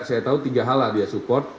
saya tahu tiga hal lah dia support